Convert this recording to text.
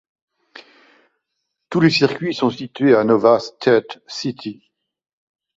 Tous les circuits sont situés à Nova State City.